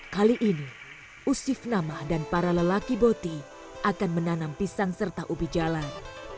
kali ini usif nama dan para lelaki boti akan menanam pisang serta ubi jalan